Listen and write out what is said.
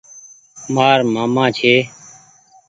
مآر مآمآ ڇي۔